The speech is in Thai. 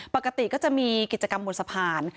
ปกติก็จะมีกิจกรรมบนสะพาน